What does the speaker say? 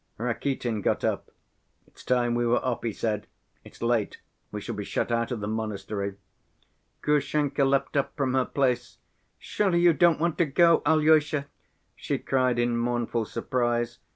Rakitin got up. "It's time we were off," he said, "it's late, we shall be shut out of the monastery." Grushenka leapt up from her place. "Surely you don't want to go, Alyosha!" she cried, in mournful surprise.